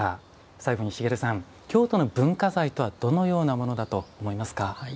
最後に茂さん、京都の文化財とはどのようなものだと思いますか？